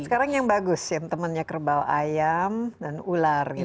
sekarang yang bagus yang temannya kerbau ayam dan ular gitu